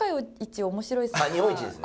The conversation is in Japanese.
日本一です。